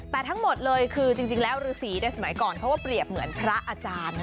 แต่ทั้งหมดเลยคือจริงแล้วฤษีในสมัยก่อนเขาก็เปรียบเหมือนพระอาจารย์